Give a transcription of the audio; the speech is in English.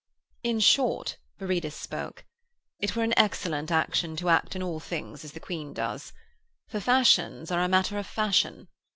'In short,' Viridus spoke, 'it were an excellent action to act in all things as the Queen does. For fashions are a matter of fashion.